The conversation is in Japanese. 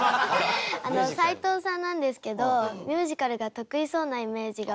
斉藤さんなんですけどミュージカルが得意そうなイメージが。